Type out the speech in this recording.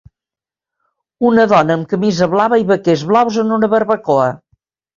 Una dona amb camisa blava i vaquers blaus en una barbacoa.